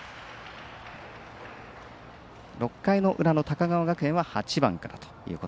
６回の裏の高川学園は８番から。